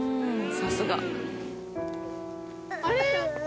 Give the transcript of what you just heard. さすが。